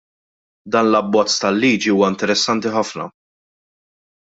Dan l-Abbozz ta' Liġi huwa interessanti ħafna.